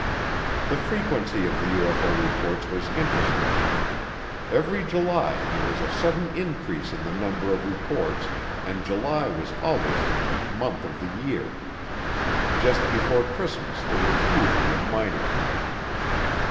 The frequency of the UFO reports was interesting. Every July there was a sudden increase in the number of reports and July was always the peak month of the year. Just before Christmas there was usually a minor peak.